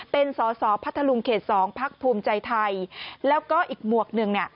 เป็นสอสอพัทธลุงเขต๒พักภูมิใจไทยแล้วก็อีกหมวกหนึ่งเนี่ย